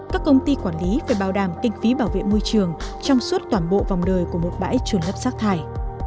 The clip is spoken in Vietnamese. các công ty quản lý phải bảo đảm kinh phí bảo vệ môi trường trong suốt toàn bộ vòng đời của một bãi trôn lấp rác thải